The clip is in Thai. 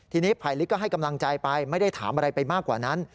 ทีนี้ภัยลิกก็ให้กำลังใจไปไม่ได้ถามอะไรไปมากกว่านั้น